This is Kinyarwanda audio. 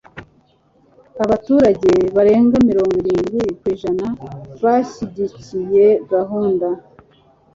abaturage barenga mirongo irindwi ku ijana bashyigikiye gahunda